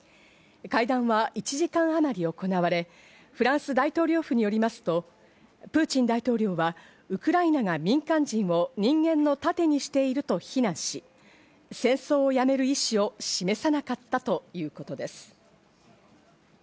会談は１時間あまり行われ、フランス大統領府によりますと、プーチン大統領はウクライナが民間人を人間の盾にしていると非難し、戦争をやめる意思を示さなかったということです。